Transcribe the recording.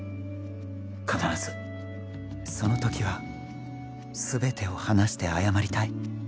必ずその時はすべてを話して謝りたい